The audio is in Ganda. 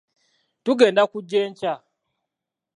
Tugenda kujja enkya.